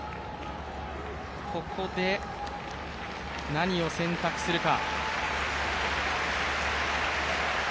ここで何を選択するか。